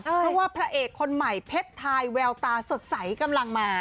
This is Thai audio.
เพราะว่าพระเอกคนใหม่เพชรทายแววตาสดใสกำลังมา